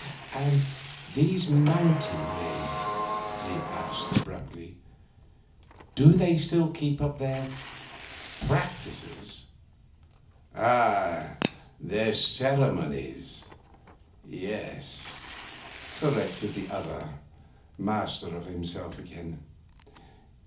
'And these mountain men,' he asked abruptly, 'do they still keep up their practices?' 'Their ceremonies, yes,' corrected the other, master of himself again.